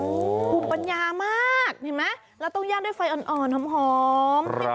ภูมิปัญญามากเห็นไหมแล้วต้องย่างด้วยไฟอ่อนหอม